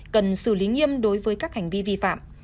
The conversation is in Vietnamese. cần xử lý nghiêm đối với các hành vi vi phạm